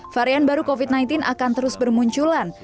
varian baru covid sembilan belas akan terus bermunculan